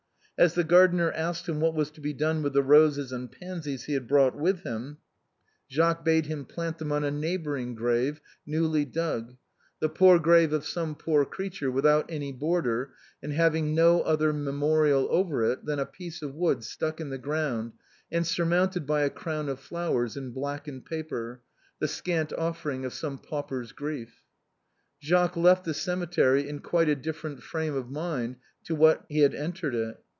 As the gardener asked him what was to be done with the roses and pansies he had brought with him, Jacques bade him plant them on a neighboring grave, newly dug, the grave of some poor creature, without any border and having no other memorial over it than a Mé THE BOHEMIANS OF THE LATIN QUARTER. piece of wood stuck in the ground and surmounted by a crown of flowers in blackened paper, the scant offering of some pauper's grief. Jacques left the cemetery in quite a different frame of mind to what he had entered it.